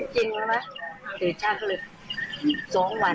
กินไว้ไหมตื่นช่างก็เลย๒วัน